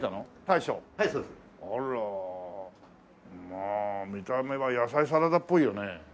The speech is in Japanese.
まあ見た目は野菜サラダっぽいよね。